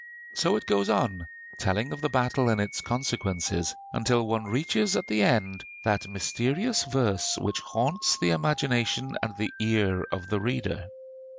So it goes on, telling of the battle and its consequences, until one reaches at the end that mysterious verse which haunts the imagination and the ear of the reader.